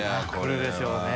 来るでしょうね。